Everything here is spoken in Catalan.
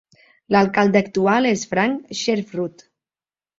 L'alcalde actual és Frank Seffrood.